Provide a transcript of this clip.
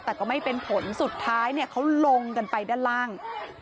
แต่ก็ไม่เป็นผลสุดท้ายเนี่ยเขาลงกันไปด้านล่าง